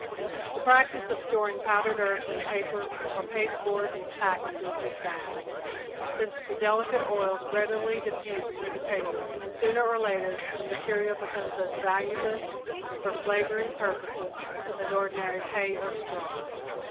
The practice of storing powdered herbs in paper or pasteboard packages is bad, since the delicate oils readily diffuse through the paper and sooner or later the material becomes as valueless for flavoring purposes as ordinary hay or straw.